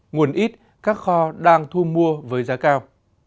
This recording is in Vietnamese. nguồn ít các kho đang thu mua với giá cao